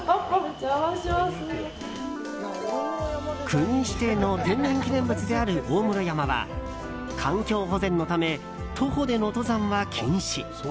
国指定の天然記念物である大室山は環境保全のため徒歩での登山は禁止。